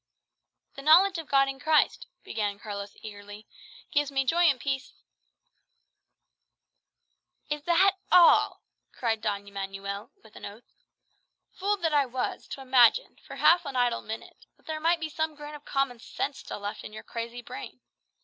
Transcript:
"The knowledge of God in Christ," began Carlos eagerly, "gives me joy and peace " "Is that all?" cried Don Manuel with an oath. "Fool that I was, to imagine, for half an idle minute, that there might be some grain of common sense still left in your crazy brain!